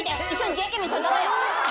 ＪＫも一緒に撮ろうよ」